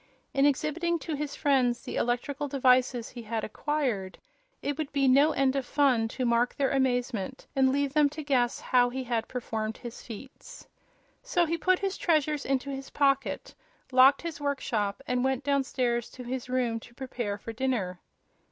In exhibiting to his friends the electrical devices he had acquired it would be "no end of fun" to mark their amazement and leave them to guess how he performed his feats. So he put his treasures into his pocket, locked his workshop and went downstairs to his room to prepare for dinner.